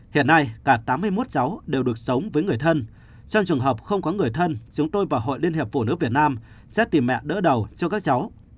hiện nay cả tám mươi một cháu đều được sống với người thân trong trường hợp không có người thân chúng tôi vào hội liên hiệp phụ nữ việt nam xét tìm mẹ đỡ đầu cho các cháu